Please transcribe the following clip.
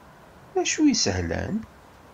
D acu i isehlen?